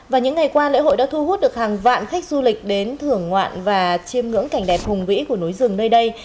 và những ngày qua lễ hội đã thu hút được hàng vạn khách du lịch đến thưởng ngoạn và chiêm ngưỡng cảnh đẹp hùng vĩ của núi rừng nơi đây